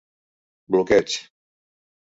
Bloqueig: